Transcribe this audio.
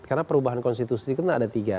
karena perubahan konstitusi itu ada tiga